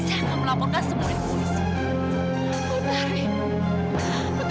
saya akan melaporkan semua di polisi